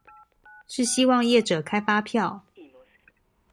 是希望業者開發票